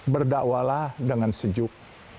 berdakwalah dengan sejuk